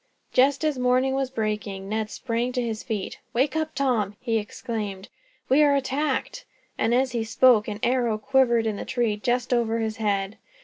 Just as morning was breaking, Ned sprang to his feet. "Wake up, Tom!" he exclaimed; "we are attacked;" and as he spoke, an arrow quivered in the tree just over his head.